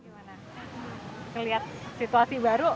melihat situasi baru